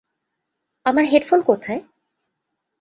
আমার হেডফোন কোথায়?